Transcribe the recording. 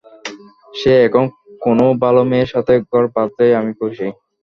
সে এখন কোন ভাল মেয়ের সাথে ঘর বাঁধলেই আমি খুশি।